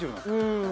うん。